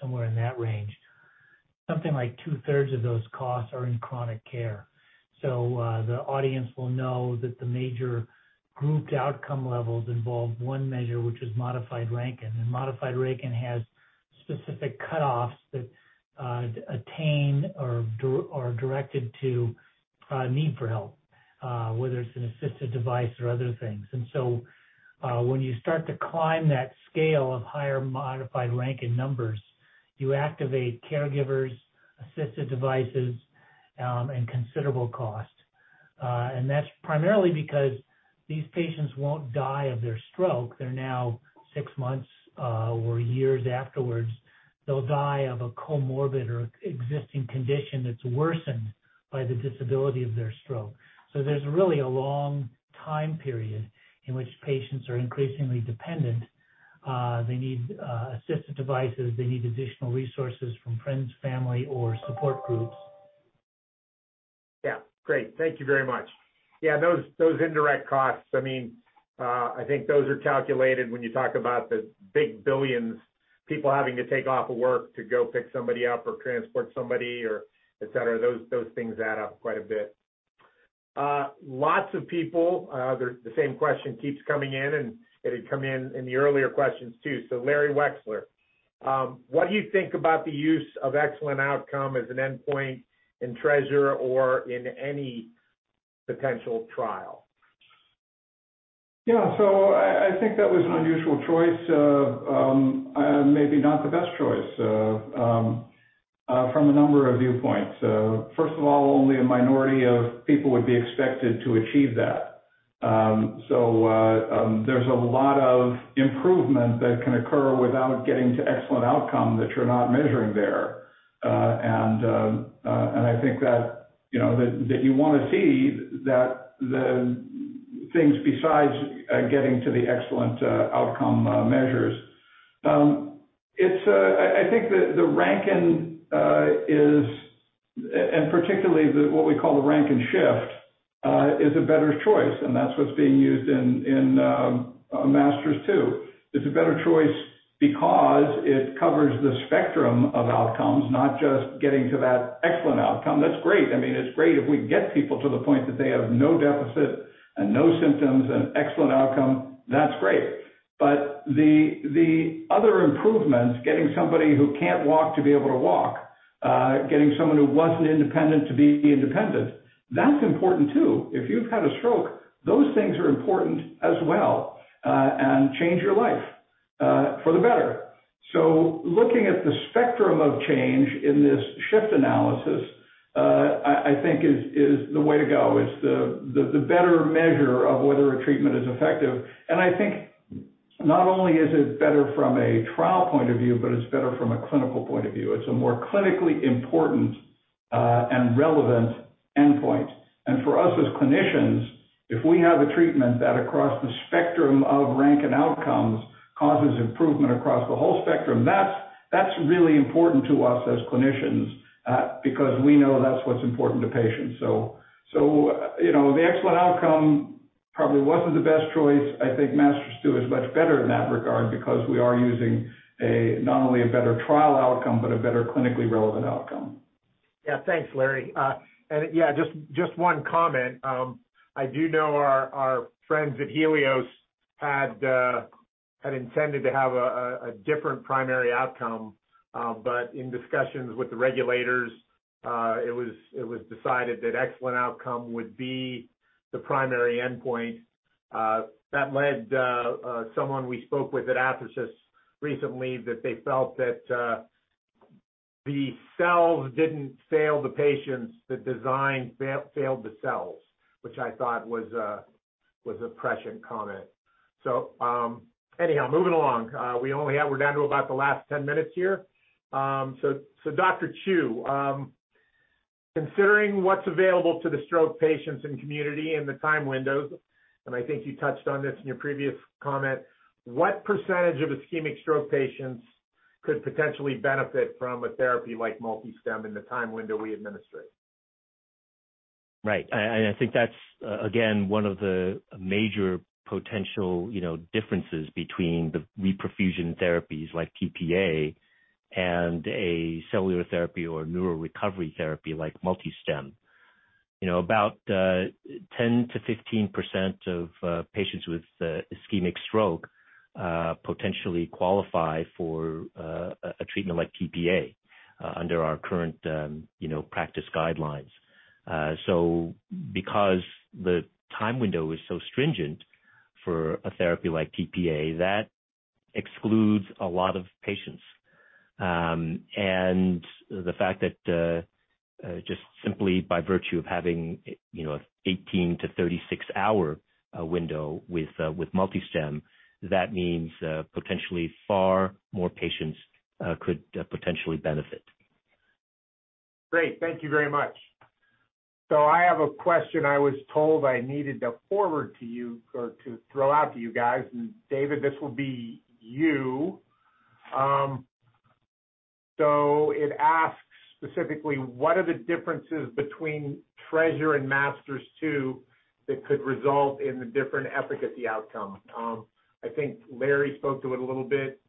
somewhere in that range. Something like two-thirds of those costs are in chronic care. The audience will know that the major grouped outcome levels involve one measure, which is modified Rankin. Modified Rankin has specific cutoffs that are directed to need for help, whether it's an assisted device or other things. When you start to climb that scale of higher modified Rankin numbers, you activate caregivers, assistive devices, and considerable cost. That's primarily because these patients won't die of their stroke. They're now six months or years afterwards. They'll die of a comorbid or existing condition that's worsened by the disability of their stroke. There's really a long time period in which patients are increasingly dependent. They need assistive devices. They need additional resources from friends, family, or support groups. Yeah, great. Thank you very much. Yeah, those indirect costs, I mean, I think those are calculated when you talk about the big billions, people having to take off of work to go pick somebody up or transport somebody or etc. Those things add up quite a bit. Lots of people, the same question keeps coming in, and it had come in in the earlier questions too. Lawrence Wechsler, what do you think about the use of excellent outcome as an endpoint in TREASURE or in any potential trial? Yeah. I think that was an unusual choice. Maybe not the best choice from a number of viewpoints. First of all, only a minority of people would be expected to achieve that. There's a lot of improvement that can occur without getting to excellent outcome that you're not measuring there. I think that you know that you want to see that the things besides getting to the excellent outcome measures. I think the Rankin, and particularly what we call the Rankin shift, is a better choice, and that's what's being used in MASTERS-2. It's a better choice because it covers the spectrum of outcomes, not just getting to that excellent outcome. That's great. I mean, it's great if we can get people to the point that they have no deficit and no symptoms and excellent outcome. That's great. But the other improvements, getting somebody who can't walk to be able to walk, getting someone who wasn't independent to be independent, that's important too. If you've had a stroke, those things are important as well, and change your life for the better. So looking at the spectrum of change in this shift analysis, I think is the way to go. It's the better measure of whether a treatment is effective. I think not only is it better from a trial point of view, but it's better from a clinical point of view. It's a more clinically important and relevant endpoint. For us as clinicians, if we have a treatment that across the spectrum of Rankin outcomes causes improvement across the whole spectrum, that's really important to us as clinicians, because we know that's what's important to patients. You know, the excellent outcome probably wasn't the best choice. I think MASTERS-2 is much better in that regard because we are using not only a better trial outcome, but a better clinically relevant outcome. Yeah. Thanks, Larry. Just one comment. I do know our friends at Healios had intended to have a different primary outcome. In discussions with the regulators, it was decided that excellent outcome would be the primary endpoint. That led someone we spoke with at Athersys recently that they felt that the cells didn't fail the patients, the design failed the cells, which I thought was a prescient comment. Anyhow, moving along. We're down to about the last 10 minutes here. So Dr. Chiu, considering what's available to the stroke patients and community in the time windows, and I think you touched on this in your previous comment, what percentage of ischemic stroke patients could potentially benefit from a therapy like MultiStem in the time window we administrate? Right. And I think that's again one of the major potential, you know, differences between the reperfusion therapies like tPA and a cellular therapy or neuro recovery therapy like MultiStem. You know, about 10%-15% of patients with ischemic stroke potentially qualify for a treatment like tPA under our current, you know, practice guidelines. Because the time window is so stringent for a therapy like tPA, that excludes a lot of patients. The fact that just simply by virtue of having, you know, 18-36-hour window with MultiStem, that means potentially far more patients could potentially benefit. Great. Thank you very much. I have a question I was told I needed to forward to you or to throw out to you guys. David, this will be you. It asks specifically, what are the differences between TREASURE and MASTERS-2 that could result in the different efficacy outcome? I think Larry spoke to it a little bit.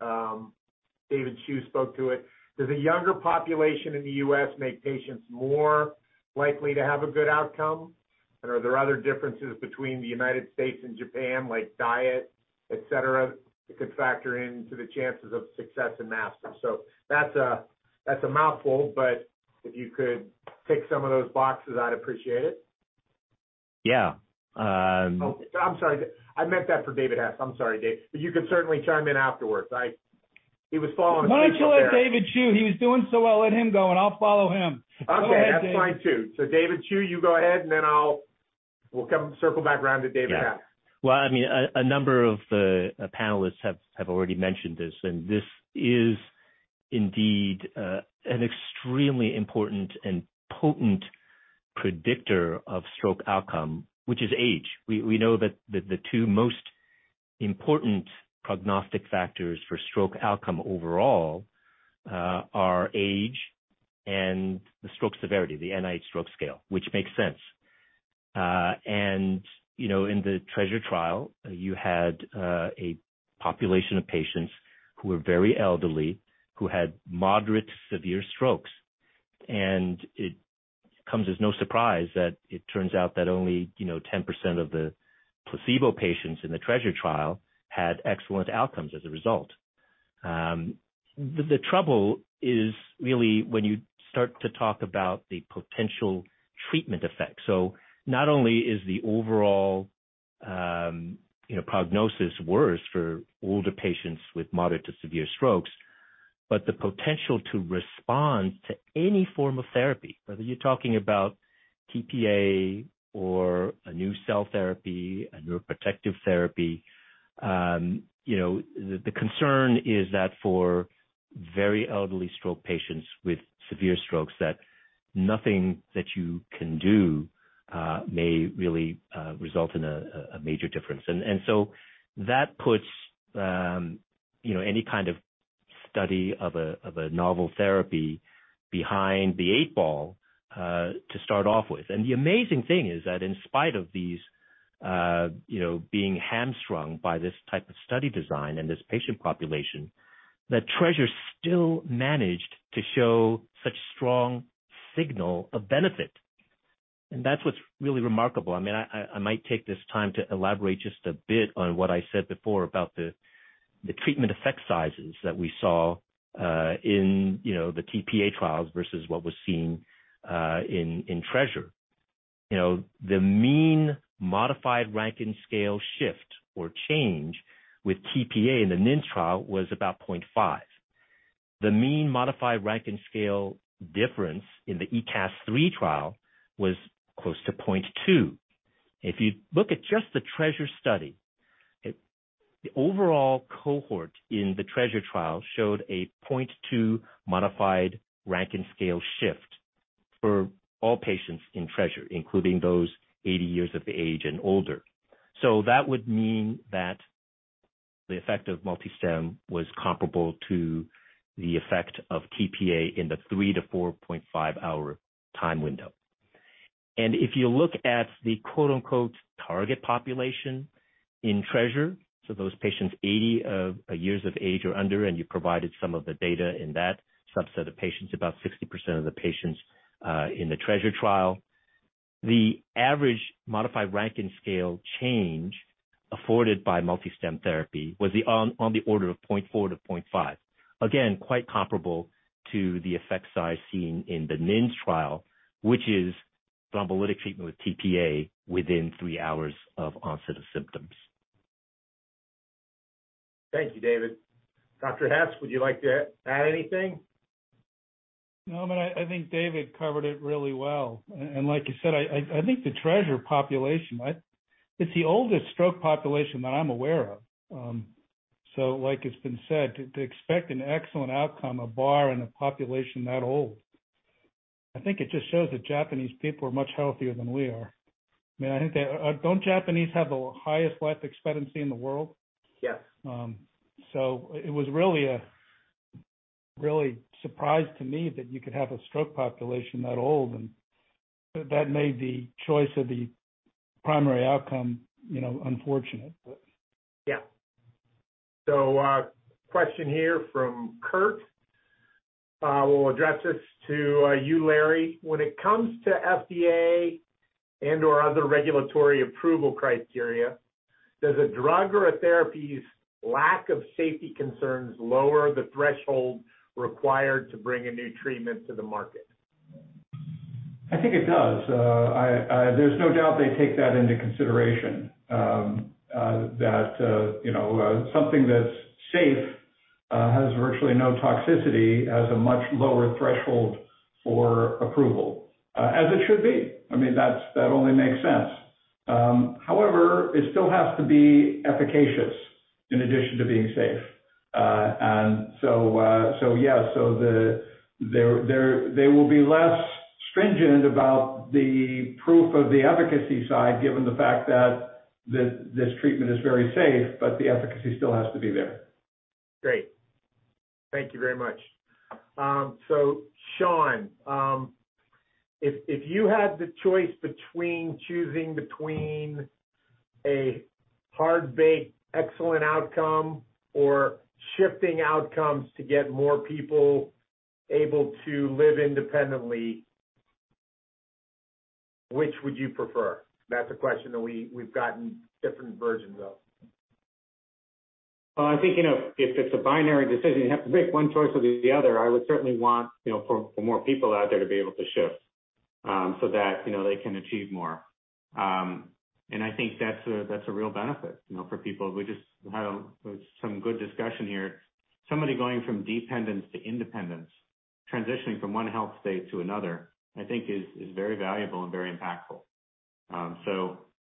David Chiu spoke to it. Does a younger population in the U.S. make patients more likely to have a good outcome? Are there other differences between the United States and Japan, like diet, etc., that could factor into the chances of success in MASTERS-2? That's a mouthful, but if you could tick some of those boxes, I'd appreciate it. Yeah. Oh, I'm sorry. I meant that for David Hess. I'm sorry, Dave. You can certainly chime in afterwards. Why don't you let David Chiu? He was doing so well. Let him go, and I'll follow him. Okay. That's fine too. David Chiu, you go ahead, and then we'll come circle back around to David Hess. Yeah. Well, I mean, a number of the panelists have already mentioned this, and this is indeed an extremely important and potent predictor of stroke outcome, which is age. We know that the two most important prognostic factors for stroke outcome overall are age and the stroke severity, the NIH Stroke Scale, which makes sense. You know, in the TREASURE trial, you had a population of patients who were very elderly, who had moderate to severe strokes. It comes as no surprise that it turns out that only 10% of the placebo patients in the TREASURE trial had excellent outcomes as a result. The trouble is really when you start to talk about the potential treatment effect. Not only is the overall, you know, prognosis worse for older patients with moderate to severe strokes, but the potential to respond to any form of therapy, whether you're talking about tPA or a new cell therapy, a neuroprotective therapy, you know, the concern is that for very elderly stroke patients with severe strokes, that nothing that you can do may really result in a major difference. That puts you know, any kind of study of a novel therapy behind the eight ball to start off with. The amazing thing is that in spite of these you know, being hamstrung by this type of study design and this patient population, that TREASURE still managed to show such strong signal of benefit. That's what's really remarkable. I mean, I might take this time to elaborate just a bit on what I said before about the treatment effect sizes that we saw, you know, in the tPA trials versus what was seen in TREASURE. You know, the mean modified Rankin Scale shift or change with tPA in the NINDS trial was about 0.5. The mean modified Rankin Scale difference in the ECASS III trial was close to 0.2. If you look at just the TREASURE study, the overall cohort in the TREASURE trial showed a 0.2 modified Rankin Scale shift for all patients in TREASURE, including those 80 years of age and older. That would mean that the effect of MultiStem was comparable to the effect of tPA in the 3-4.5-hour time window. If you look at the quote-unquote "target population" in TREASURE, those patients 80 years of age or under, and you provided some of the data in that subset of patients, about 60% of the patients in the TREASURE trial. The average modified Rankin Scale change afforded by MultiStem therapy was on the order of 0.4-0.5. Again, quite comparable to the effect size seen in the NINDS trial, which is thrombolytic treatment with tPA within three hours of onset of symptoms. Thank you, David. Dr. Hess, would you like to add anything? No, I mean, I think David covered it really well. Like you said, I think the TREASURE population. It's the oldest stroke population that I'm aware of. Like it's been said, to expect an excellent outcome, a bar in a population that old, I think it just shows that Japanese people are much healthier than we are. I mean, don't Japanese have the highest life expectancy in the world? Yes. It was really a surprise to me that you could have a stroke population that old and that made the choice of the primary outcome, you know, unfortunate, but. Yeah. Question here from Kurt. We'll address this to you, Larry. When it comes to FDA and/or other regulatory approval criteria, does a drug or a therapy's lack of safety concerns lower the threshold required to bring a new treatment to the market? I think it does. There's no doubt they take that into consideration, you know, something that's safe has virtually no toxicity, has a much lower threshold for approval. As it should be. I mean, that only makes sense. However, it still has to be efficacious in addition to being safe. They will be less stringent about the proof of the efficacy side given the fact that this treatment is very safe, but the efficacy still has to be there. Great. Thank you very much. Sean, if you had the choice between a hard baked excellent outcome or shifting outcomes to get more people able to live independently, which would you prefer? That's a question that we've gotten different versions of. Well, I think, you know, if it's a binary decision, you have to pick one choice or the other, I would certainly want, you know, for more people out there to be able to shift, so that, you know, they can achieve more. I think that's a real benefit, you know, for people. We just had some good discussion here. Somebody going from dependence to independence, transitioning from one health state to another, I think is very valuable and very impactful.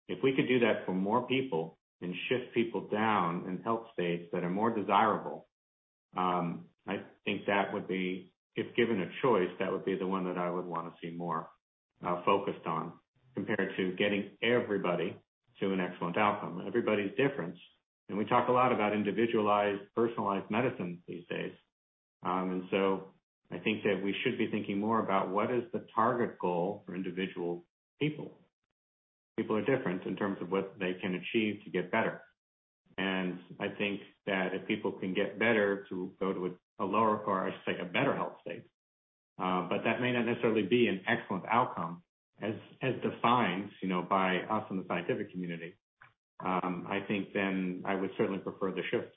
If we could do that for more people and shift people down in health states that are more desirable, I think that would be, if given a choice, that would be the one that I would wanna see more focused on compared to getting everybody to an excellent outcome. Everybody's different. We talk a lot about individualized, personalized medicine these days. I think that we should be thinking more about what is the target goal for individual people. People are different in terms of what they can achieve to get better. I think that if people can get better to go to a lower score, I should say, a better health state, but that may not necessarily be an excellent outcome as defined, you know, by us in the scientific community. I think then I would certainly prefer the shift.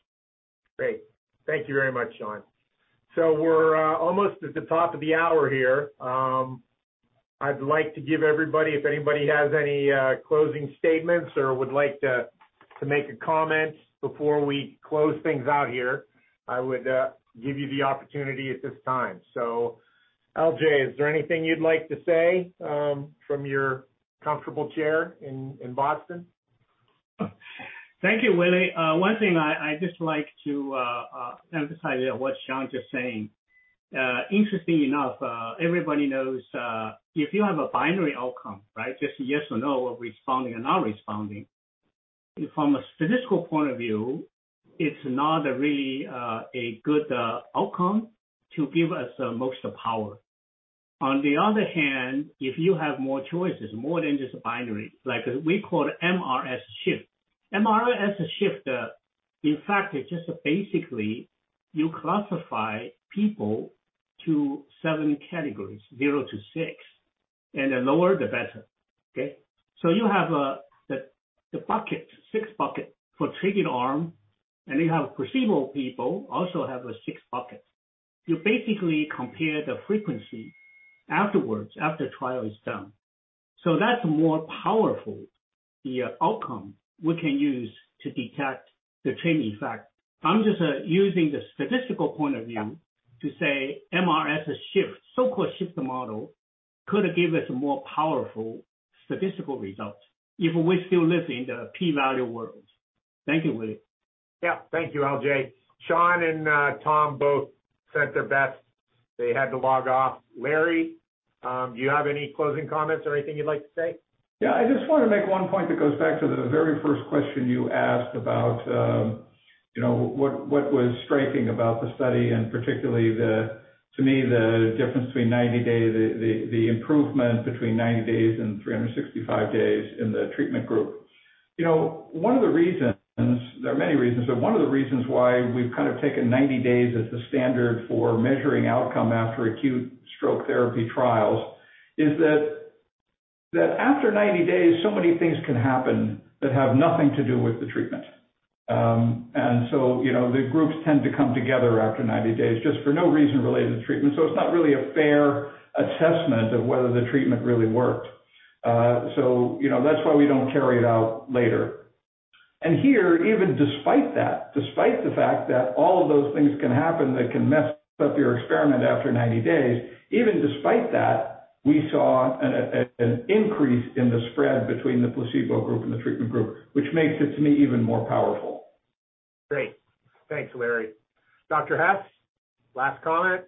Great. Thank you very much, Sean. We're almost at the top of the hour here. I'd like to give everybody, if anybody has any closing statements or would like to make a comment before we close things out here, I would give you the opportunity at this time. LJ, is there anything you'd like to say from your comfortable chair in Boston? Thank you, Willie. One thing I just like to emphasize what Sean just saying. Interesting enough, everybody knows if you have a binary outcome, right? Just yes or no, or responding or not responding. From a statistical point of view, it's not really a good outcome to give us the most power. On the other hand, if you have more choices, more than just binary, like we call mRS shift. mRS shift, in fact, it's just basically you classify people to seven categories, zero to six, and the lower the better. Okay? So you have a six bucket for treated arm, and you have placebo people also have a 6 bucket. You basically compare the frequency after trial is done. So that's more powerful, the outcome we can use to detect the treatment effect. I'm just using the statistical point of view to say mRS shift, so-called shift model, could give us more powerful statistical results if we still live in the p-value world. Thank you, Willie. Yeah. Thank you, LJ. Sean and Tom both sent their best. They had to log off. Larry, do you have any closing comments or anything you'd like to say? Yeah. I just wanna make one point that goes back to the very first question you asked about, you know, what was striking about the study, and particularly, to me, the difference between 90 days, the improvement between 90 days and 365 days in the treatment group. You know, one of the reasons, there are many reasons, but one of the reasons why we've kind of taken 90 days as the standard for measuring outcome after acute stroke therapy trials is that after 90 days, so many things can happen that have nothing to do with the treatment. You know, the groups tend to come together after 90 days just for no reason related to treatment. It's not really a fair assessment of whether the treatment really worked. You know, that's why we don't carry it out later. Here, even despite that, despite the fact that all of those things can happen that can mess up your experiment after 90 days, even despite that, we saw an increase in the spread between the placebo group and the treatment group, which makes it, to me, even more powerful. Great. Thanks, Larry. Dr. Hess, last comment?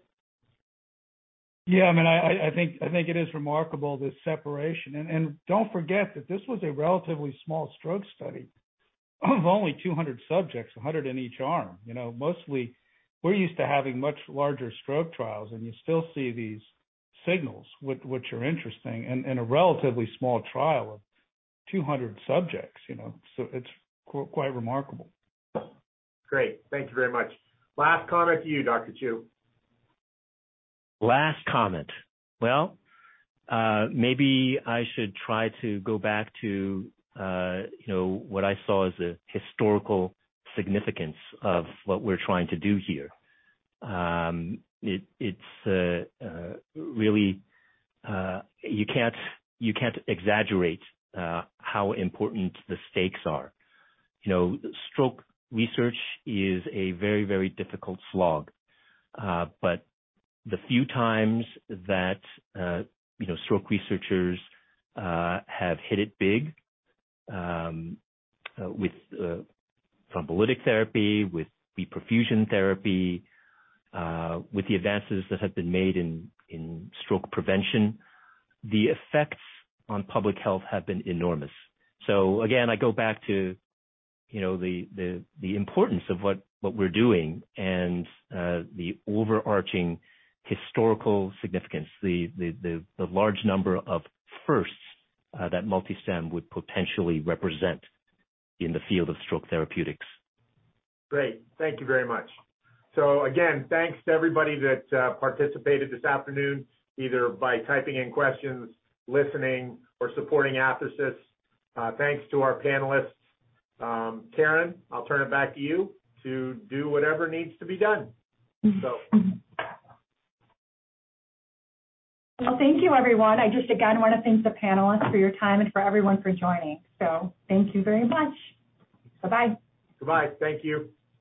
Yeah. I mean, I think it is remarkable, the separation. Don't forget that this was a relatively small stroke study of only 200 subjects, 100 in each arm. You know, mostly we're used to having much larger stroke trials, and you still see these signals, which are interesting in a relatively small trial of 200 subjects, you know. It's quite remarkable. Great. Thank you very much. Last comment to you, Dr. Chiu. Last comment. Well, maybe I should try to go back to, you know, what I saw as a historical significance of what we're trying to do here. It's really you can't exaggerate how important the stakes are. You know, stroke research is a very, very difficult slog. The few times that, you know, stroke researchers have hit it big, with thrombolytic therapy, with reperfusion therapy, with the advances that have been made in stroke prevention, the effects on public health have been enormous. Again, I go back to, you know, the importance of what we're doing and the overarching historical significance, the large number of firsts that MultiStem would potentially represent in the field of stroke therapeutics. Great. Thank you very much. Again, thanks to everybody that participated this afternoon, either by typing in questions, listening, or supporting Athersys. Thanks to our panelists. Karen, I'll turn it back to you to do whatever needs to be done. Well, thank you, everyone. I just, again, wanna thank the panelists for your time and for everyone for joining. Thank you very much. Bye-bye. Bye-bye. Thank you.